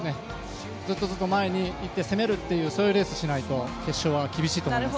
ずっとずっと前にいて攻めるというレースしないと決勝は厳しいと思います。